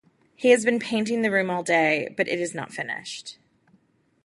He has been painting the room all day, but it is not finished.